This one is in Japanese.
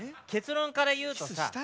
結論から言うとさ。